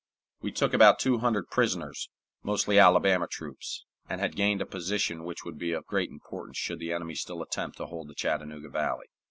We took about two hundred prisoners, mostly Alabama troops, and had gained a position which would be of great importance should the enemy still attempt to hold the Chattanooga Valley.